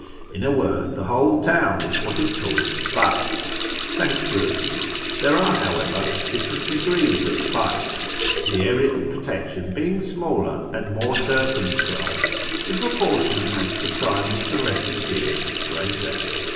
In a word, the whole town is what is called " hast " (sanctuary). There are, however, different degrees of hast, the i area of protection being smaller and more circumscri])ed in proportion as the crime of the refugee is greater.